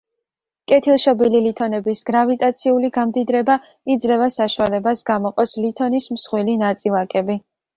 კეთილშობილი ლითონების გრავიტაციული გამდიდრება იძლევა საშუალებას გამოყოს ლითონის მსხვილი ნაწილაკები.